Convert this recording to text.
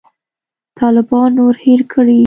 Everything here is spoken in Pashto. طالبان نور هېر کړي.